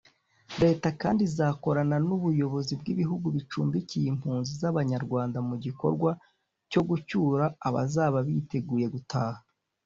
Leta kandi izakorana n’ubuyobozi bw’ibihugu bicumbikiye impunzi z’Abanyarwanda mu gikorwa cyo gucyura abazaba biteguye gutaha